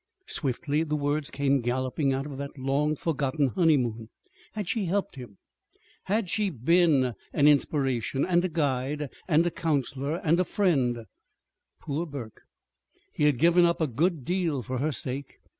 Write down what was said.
(Swiftly the words came galloping out of that long forgotten honeymoon.) Had she helped him? Had she been an inspiration, and a guide, and a counselor, and a friend? Poor Burke! He had given up a good deal for her sake.